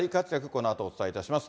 このあとお伝えいたします。